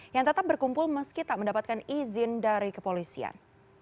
yang tetap berkumpul meski tak mendapatkan izin dari kepolisian